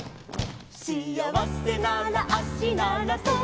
「しあわせなら足ならそう」